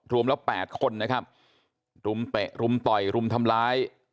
รวมแล้ว๘คนนะครับรุมเตะรุมต่อยรุมทำร้าย